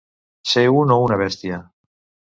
Ser un o una bèstia.